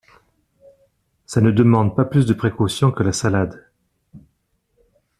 Ça ne demande pas plus de précautions que la salade.